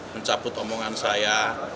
mencabut omongan saya